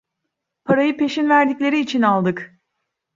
Parayı peşin verdikleri için aldık!